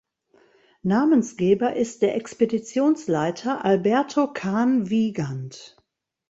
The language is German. Namensgeber ist der Expeditionsleiter Alberto Kahn Wiegand.